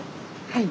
はい。